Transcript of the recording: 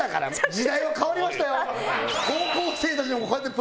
時代は変わりましたよ。